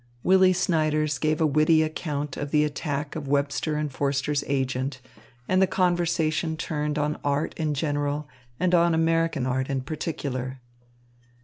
Willy Snyders gave a witty account of the attack of Webster and Forster's agent; and the conversation turned on art in general and on American art in particular.